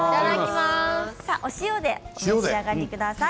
お塩でお召し上がりください。